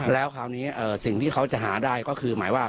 แล้วคราวนี้สิ่งที่เขาจะหาได้ก็คือหมายว่า